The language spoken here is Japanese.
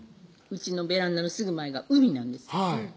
うちのベランダのすぐ前が海なんです